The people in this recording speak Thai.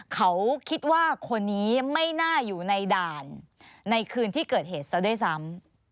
เขาคิดว่าคนนี้ไม่น่าอยู่ในด่านในคืนที่เกิดเหตุซะด้วยซ้ำ